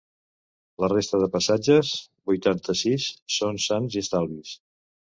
La resta de passatges, vuitanta-sis, són sans i estalvis.